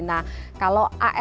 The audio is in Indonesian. nah kalau alkm